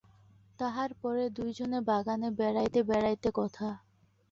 তাহার পরে দুইজনে বাগানে বেড়াইতে বেড়াইতে কথা।